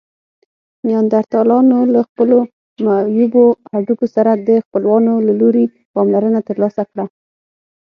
نیاندرتالانو له خپلو معیوبو هډوکو سره د خپلوانو له لوري پاملرنه ترلاسه کړه.